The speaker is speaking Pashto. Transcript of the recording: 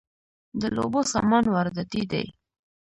د لوبو سامان وارداتی دی